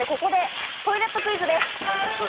ここでトイレットクイズです。